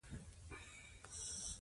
خپلواکي د هر ملت مسلم حق دی.